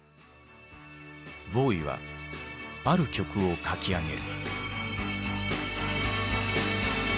ボウイはある曲を書き上げる。